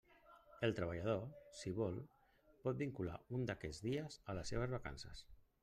El treballador, si vol, pot vincular un d'aquests dies a les seves vacances.